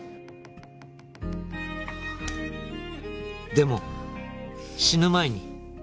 「でも死ぬ前に」